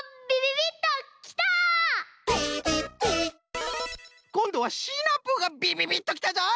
「ビビビッ」こんどはシナプーがびびびっときたぞい！